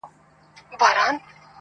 نه په ښکار سوای د هوسیانو خوځېدلای -